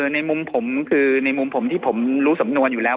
ในมุมผมคือในมุมผมที่ผมรู้สำนวนอยู่แล้ว